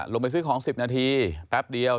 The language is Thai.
ลงไปซื้อของ๑๐นาทีแป๊บเดียว